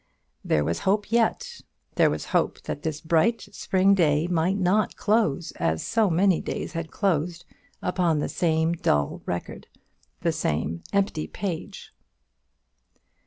There was hope yet; there was hope that this bright spring day might not close as so many days had closed upon the same dull record, the same empty page.